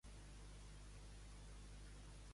Va ser arrestada per fotografiar també a protestes?